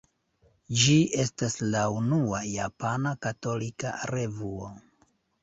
Ĝi estas la unua japana katolika revuo.